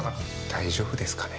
大丈夫ですかね？